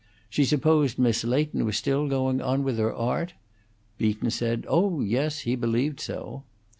She supposed Miss Leighton was still going on with her art? Beaton said, Oh yes, he believed so.